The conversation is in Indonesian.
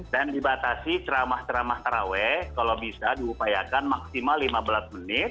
dan dibatasi ceramah ceramah taraweh kalau bisa diupayakan maksimal lima belas menit